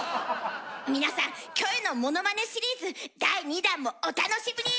皆さんキョエのものまねシリーズ第２弾もお楽しみに！